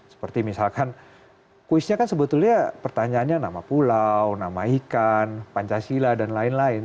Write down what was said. seperti misalkan kuisnya kan sebetulnya pertanyaannya nama pulau nama ikan pancasila dan lain lain